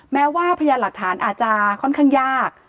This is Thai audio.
แม้ว่าพยานหลักฐานอาจจะค่อนข้างยาก